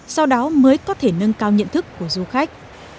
sau đó mới có thể nâng cao nhận thức của du khách